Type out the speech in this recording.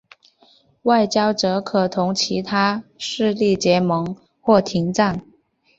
外交则可同其他势力结盟或停战。